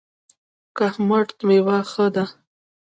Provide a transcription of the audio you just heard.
کهمرد میوه ښه ده؟